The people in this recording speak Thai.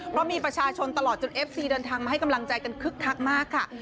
เพราะมีประชาชนตลอดจนเอฟซีเดินทางมาให้กำลังใจกันคึกคักมากค่ะ